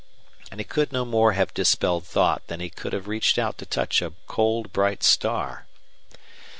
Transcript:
And he could no more have dispelled thought than he could have reached out to touch a cold, bright star.